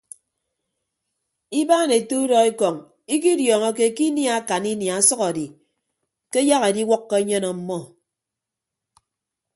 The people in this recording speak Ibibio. Ibaan ete udọ ekọñ ikidiọọñọke ke inia akan inia ọsʌk edi ke ayak ediwʌkkọ enyen ọmmọ.